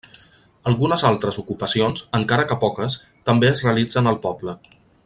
Algunes altres ocupacions, encara que poques, també es realitzen al poble.